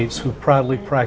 berhasil ini sangat banyak